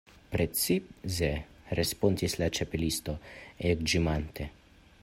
"Precize," respondis la Ĉapelisto, ekĝemante.